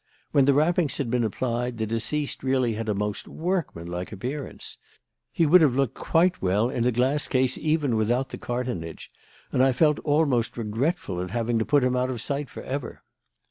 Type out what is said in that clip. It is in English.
When the wrappings had been applied, the deceased really had a most workmanlike appearance; he would have looked quite well in a glass case even without the cartonnage, and I felt almost regretful at having to put him out of sight for ever.